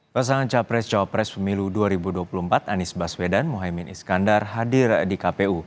pasangan capres cawapres pemilu dua ribu dua puluh empat anies baswedan mohaimin iskandar hadir di kpu